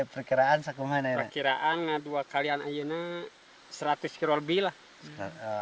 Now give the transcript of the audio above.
berkiraan dua kali sekarang seratus kilo lebih lah